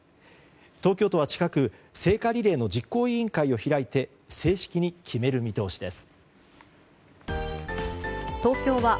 東京都は近く聖火リレーの実行委員会を開いて正式に決める見通しです。